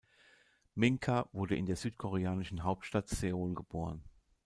Minka wurde in der südkoreanischen Hauptstadt Seoul geboren.